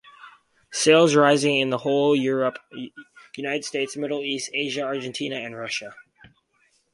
Sales rising in whole Europe, United States, Middle East, Asia, Argentina and Russia.